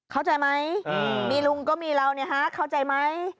เข้าใจมั้ยมีลุงก็มีเรานะฮะเข้าใจไหม